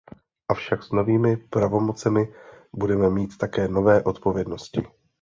Avšak s novými pravomocemi budeme mít také nové odpovědnosti.